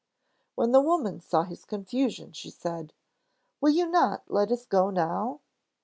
When the woman saw his confusion, she said: "Will you not let us go now?"